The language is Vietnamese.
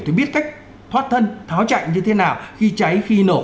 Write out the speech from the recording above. thì biết cách thoát thân tháo chạy như thế nào khi cháy khi nổ